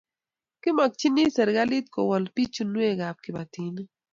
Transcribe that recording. Kimakchini serikalit ko wol pichunwek ab kabatik